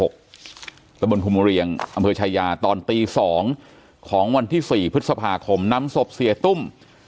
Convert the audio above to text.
บนภูมิเรียงอำเภอชายาตอนตี๒ของวันที่๔พฤษภาคมนำศพเสียตุ้ม